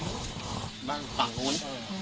ก็ช่วยกัน